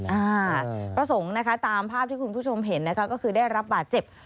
พระสงฆ์นะคะตามภาพที่คุณผู้ชมเห็นนะคะก็คือได้รับบาดเจ็บ